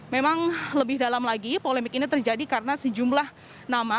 memang lebih dalam lagi polemik ini terjadi karena sejumlah nama